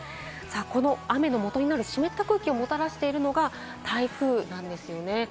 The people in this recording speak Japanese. この雨のもとになる湿った空気をもたらしているのが台風なんですよね。